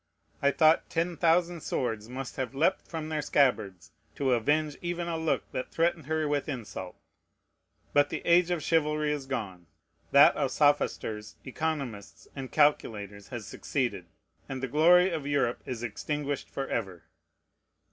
I thought ten thousand swords must have leaped from their scabbards to avenge even a look that threatened her with insult. But the age of chivalry is gone. That of sophisters, economists, and calculators has succeeded; and the glory of Europe is extinguished forever.